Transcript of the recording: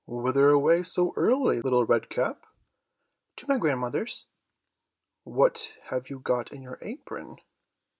"Whither away so early, Little Red Cap?" "To my grandmother's." "What have you got in your apron?"